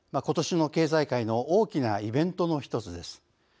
ことしの経済界の大きなイベントの１つです。